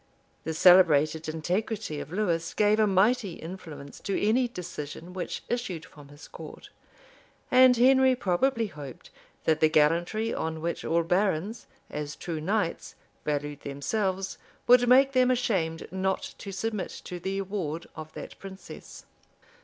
[] The celebrated integrity of Lewis gave a mighty influence to any decision which issued from his court; and Henry probably hoped, that the gallantry on which all barons, as true knights, valued themselves, would make them ashamed not to submit to the award of that princess.